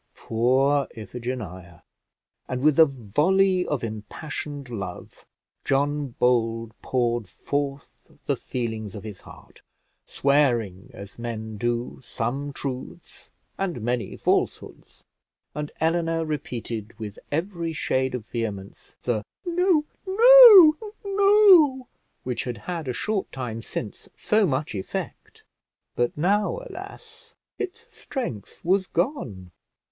Poor Iphigenia! And with a volley of impassioned love, John Bold poured forth the feelings of his heart, swearing, as men do, some truths and many falsehoods; and Eleanor repeated with every shade of vehemence the "No, no, no," which had had a short time since so much effect; but now, alas! its strength was gone.